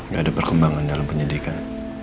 nggak ada perkembangan dalam penyidikan